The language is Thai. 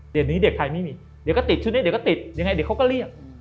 เดี๋ยวนี้เด็กไทยไม่มีเดี๋ยวก็ติดชุดนี้เดี๋ยวก็ติดยังไงเดี๋ยวเขาก็เรียก